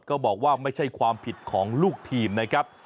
บอกว่าไม่ใช่ความผิดของลูกทีมนะครับ